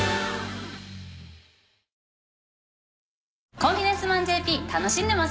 『コンフィデンスマンＪＰ』楽しんでますか？